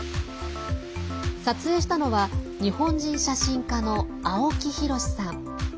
撮影したのは日本人写真家の青木弘さん。